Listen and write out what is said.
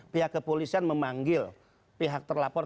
pihak kepolisian memanggil pihak terlapor